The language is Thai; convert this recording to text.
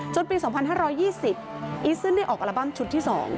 ปี๒๕๒๐อีซึนได้ออกอัลบั้มชุดที่๒